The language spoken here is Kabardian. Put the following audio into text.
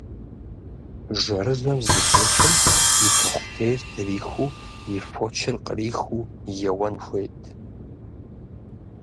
Жэрыжэм зыдытетым, и тохъутейр трихыу, и фочыр къырихыу еуэн хуейт.